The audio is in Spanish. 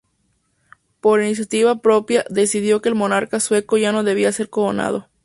Por iniciativa propia decidió que el monarca sueco ya no debía ser coronado.